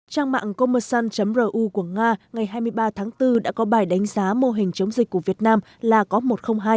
trang mạng comerson ru của nga ngày hai mươi ba tháng bốn đã có bài đánh giá mô hình chống dịch của việt nam là cop một trăm linh hai